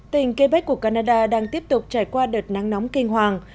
tỉnh quebec của canada đang tiếp tục trải qua đợt nắng nóng kinh hoàng